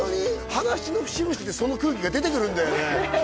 話の節々でその空気が出てくるんだよねえ！